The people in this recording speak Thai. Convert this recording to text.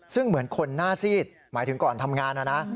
ซึ่งเหมือนคนหน้าซีดหมายถึงก่อนทำงานนะนะ